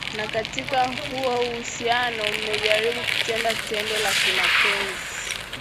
na katika huo uhusiano mmejaribu kutenda tendo la kimapenzi?